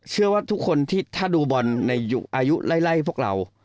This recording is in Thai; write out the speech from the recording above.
เชื่อว่าทุกคนที่ถ้าดูบอลในอายุไล่พวกเรา